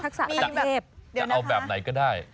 ครับมีแบบจะเอาแบบไหนก็ได้